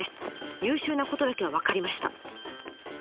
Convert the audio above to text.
優秀なことだけは分かりました。